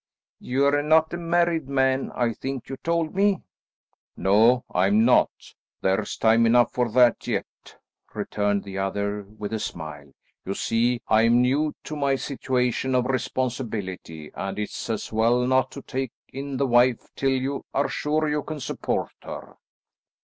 "You are not a married man, I think you told me?" "No, I am not. There's time enough for that yet," returned the other with a smile. "You see, I am new to my situation of responsibility, and it's as well not to take in the wife till you are sure you can support her."